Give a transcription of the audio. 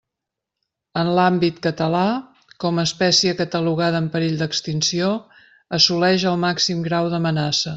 En l'àmbit català, com a espècie catalogada en perill d'extinció, assoleix el màxim grau d'amenaça.